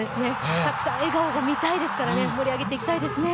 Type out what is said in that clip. たくさん笑顔が見たいですからね、盛り上げていきたいですね。